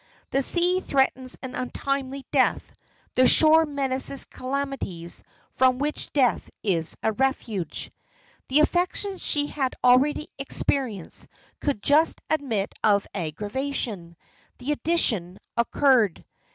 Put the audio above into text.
The sea threatens an untimely death; the shore menaces calamities from which death is a refuge. The affections she had already experienced could just admit of aggravation: the addition occurred.